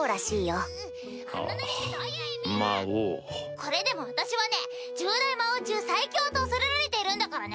これでも私はね十大魔王中最強と恐れられているんだからね！